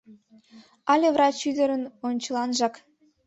Але врач ӱдырын ончыланжак...